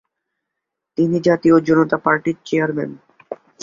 তিনি জাতীয় জনতা পার্টির চেয়ারম্যান।